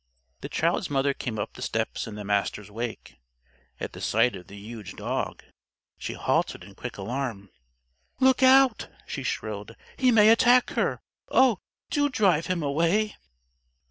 The child's mother came up the steps in the Master's wake. At sight of the huge dog, she halted in quick alarm. "Look out!" she shrilled. "He may attack her! Oh, do drive him away!"